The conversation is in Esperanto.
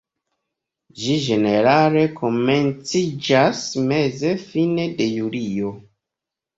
Ĝi ĝenerale komenciĝas meze-fine de julio.